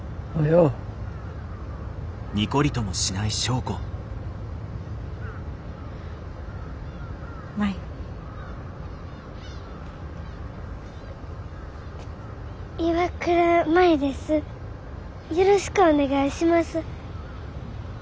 よろしくお願いします。